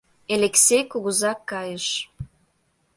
Элексей кугыза кайыш.